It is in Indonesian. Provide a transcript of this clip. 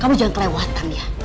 kamu jangan kelewatan ya